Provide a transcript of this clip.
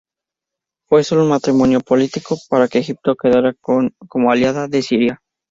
Fue sólo un matrimonio político, para que Egipto quedara como aliada de Siria.